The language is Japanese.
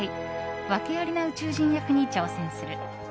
訳ありな宇宙人役に挑戦する。